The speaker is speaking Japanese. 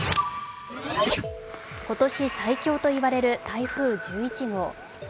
今年最強といわれる台風１１号。